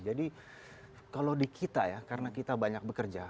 kalau di kita ya karena kita banyak bekerja